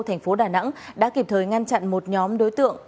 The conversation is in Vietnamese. thành phố đà nẵng đã kịp thời ngăn chặn một nhóm đối tượng